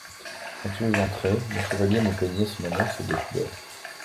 Quand tu es entrée, le chevalier me peignait son amour sous des couleurs…